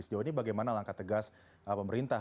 sejauh ini bagaimana langkah tegas pemerintah